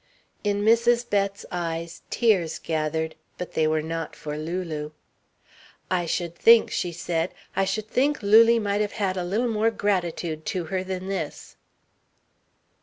In Mrs. Bett's eyes tears gathered, but they were not for Lulu. "I should think," she said, "I should think Lulie might have had a little more gratitude to her than this."